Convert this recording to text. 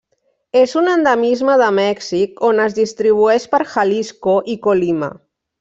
És un endemisme de Mèxic on es distribueix per Jalisco i Colima.